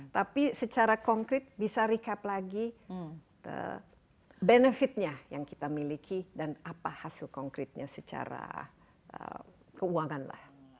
tapi secara konkret bisa recap lagi benefitnya yang kita miliki dan apa hasil konkretnya secara keuangan lah